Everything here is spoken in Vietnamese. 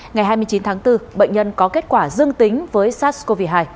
ngày hai mươi chín tháng bốn bệnh nhân có kết quả dương tính với sars cov hai